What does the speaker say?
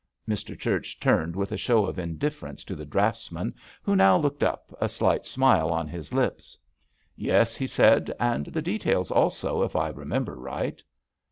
Mr. Church turned with a show of indifference to the draughts man, who now looked up, a slight smile on his lips. "Yes," he said, "and the details, also, if I remember right."